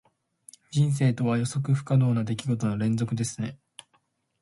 人生とは、予測不可能な出来事の連続ですね。